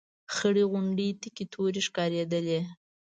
خړې غونډۍ تکې تورې ښکارېدلې.